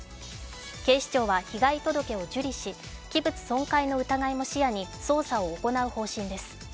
警視庁は被害届を受理し、器物損壊の疑いも視野に捜査を行う方針です。